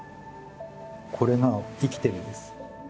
これが生きてるんです。